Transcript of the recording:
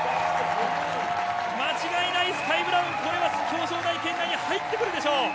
間違いない、スカイ・ブラウン、これは表彰台圏内に入ってくるでしょう。